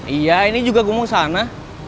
iya ini juga gue mau ke sana